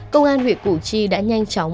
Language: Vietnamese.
công an huyện cụ chi đã nhanh chóng